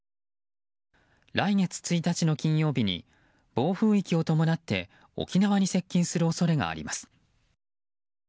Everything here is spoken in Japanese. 来月１日の金曜日に暴風域を伴って沖縄に接近する恐れがあります。